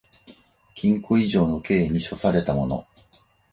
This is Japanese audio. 禁錮以上の刑に処せられた者